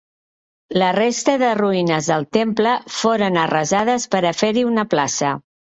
La resta de ruïnes del temple foren arrasades per a fer-hi una plaça.